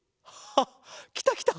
あっきたきた！